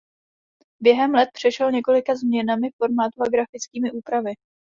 Během let přešel několika změnami formátu a grafickými úpravami.